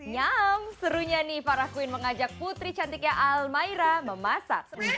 nyam serunya nih farah queen mengajak putri cantiknya almayra memasak